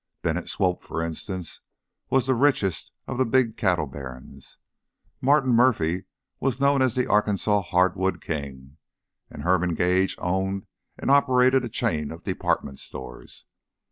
Bennett Swope, for instance, was the richest of the big cattle barons; Martin Murphy was known as the Arkansas hardwood king, and Herman Gage owned and operated a chain of department stores.